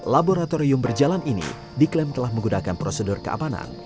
laboratorium berjalan ini diklaim telah menggunakan prosedur keamanan